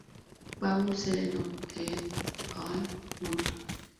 Paul Sereno "et al.